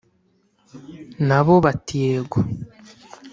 Nabo bati “Yego"